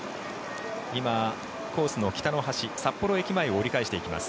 今、コースの北の端札幌駅前を折り返していきます。